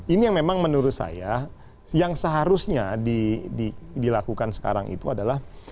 ini yang memang menurut saya yang seharusnya dilakukan sekarang itu adalah